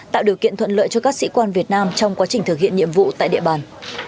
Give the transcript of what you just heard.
tạo điều kiện thuận lợi cho các sĩ quan việt nam trong quá trình thực hiện nhiệm vụ tại địa bàn